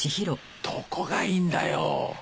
どこがいいんだよ。